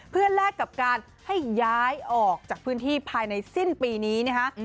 เพื่อแลกกับการให้ย้ายออกจากพื้นที่ภายในสิ้นปีนี้นะคะ